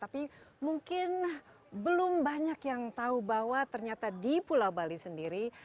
tapi mungkin belum banyak yang tahu bahwa ternyata di pulau bali sendiri